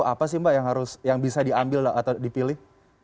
apa sih mbak yang bisa diambil atau dipilih